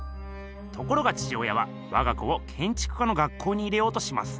ところが父親はわが子をけんちく家の学校に入れようとします。